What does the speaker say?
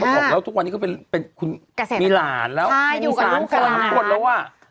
เขาบอกแล้วทุกวันนี้ก็เป็นมีหลานแล้วมีสามคนแล้วว่า